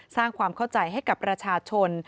สร้างความเข้าใจให้กับประชาชน